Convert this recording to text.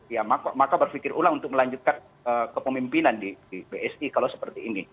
ya maka berpikir ulang untuk melanjutkan kepemimpinan di psi kalau seperti ini